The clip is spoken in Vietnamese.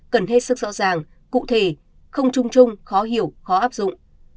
cần hết sức rõ ràng cụ thể không trung trung khó hiểu khó áp dụng